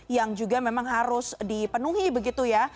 yang juga memang harus dipenuhi begitu ya